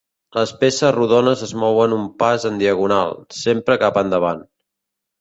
Les peces rodones es mouen un pas en diagonal, sempre cap endavant.